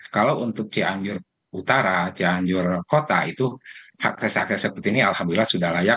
kalau untuk cianjur utara cianjur kota itu akses akses seperti ini alhamdulillah sudah layak